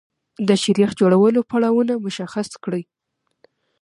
د شیریخ جوړولو پړاوونه مشخص کړئ.